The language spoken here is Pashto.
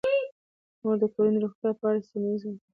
مور د کورنۍ د روغتیا په اړه د سیمه ایزو متخصصینو سره اړیکه ساتي.